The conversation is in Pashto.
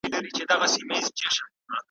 دا دي کوم جهان لیدلی دی په خوب کي `